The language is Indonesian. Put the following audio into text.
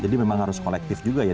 jadi memang harus kolektif juga ya